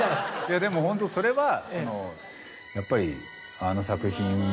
でもホントそれはやっぱり。